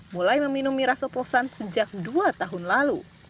mulai meminum miras oplosan sejak dua tahun lalu